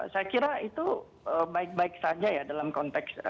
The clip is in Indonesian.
saya kira itu baik baik saja ya dalam konteks